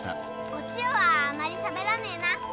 お千代はあまりしゃべらねぇなぁ。